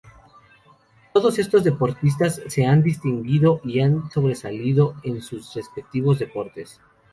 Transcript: Todos estos deportistas se han distinguido y han sobresalido en sus respectivos deportes.